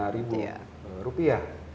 tujuh puluh lima ribu rupiah